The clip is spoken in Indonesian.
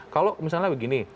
kalau misalnya begini